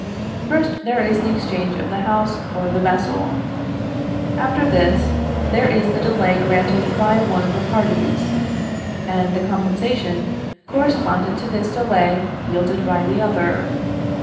First, there is the exchange of the house for the vessel; after this, there is the delay granted by one of the parties, and the compensation correspondent to this delay yielded by the other.